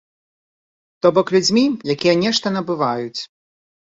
То бок, людзьмі, якія нешта набываюць.